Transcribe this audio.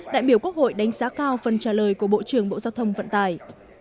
đại biểu quốc hội đánh giá cao phần trả lời của bộ trưởng bộ giao thông vận tải